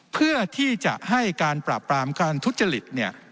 เพื่อที่จะให้การปราบรามการทุจจริต